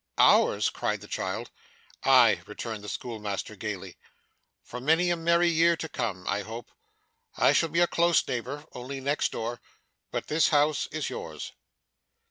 'Ours!' cried the child. 'Ay,' returned the schoolmaster gaily, 'for many a merry year to come, I hope. I shall be a close neighbour only next door but this house is yours.